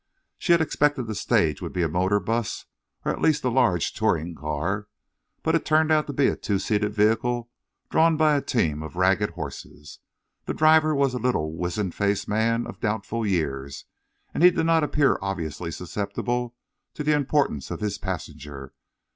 She had expected the stage would be a motor bus, or at least a large touring car, but it turned out to be a two seated vehicle drawn by a team of ragged horses. The driver was a little wizen faced man of doubtful years, and he did not appear obviously susceptible to the importance of his passenger.